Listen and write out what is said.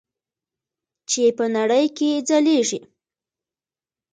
چې په نړۍ کې ځلیږي.